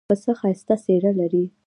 پسه ښایسته څېره لري.